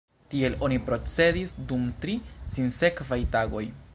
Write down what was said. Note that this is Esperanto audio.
Tiel oni procedis dum tri sinsekvaj tagoj.